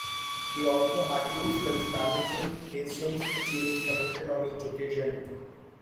He also had two spells managing Hastings achieving promotion on each occasion.